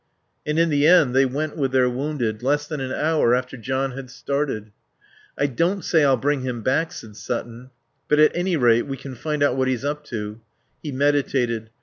And in the end they went with their wounded, less than an hour after John had started. "I don't say I'll bring him back," said Sutton. "But at any rate we can find out what he's up to." He meditated....